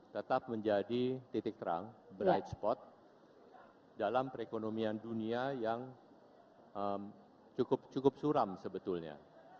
tetap menjadi titik terang bright spot dalam perekonomian dunia yang cukup suram sebetulnya